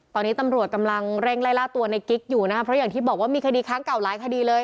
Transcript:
ตอนนี้ตำรวจกำลังเร่งไล่ล่าตัวในกิ๊กอยู่นะครับเพราะอย่างที่บอกว่ามีคดีครั้งเก่าหลายคดีเลย